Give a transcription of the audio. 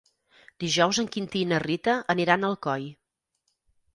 Dijous en Quintí i na Rita aniran a Alcoi.